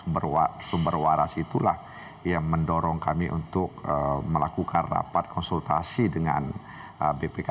dan sumber waras itulah yang mendorong kami untuk melakukan rapat konsultasi dengan bpk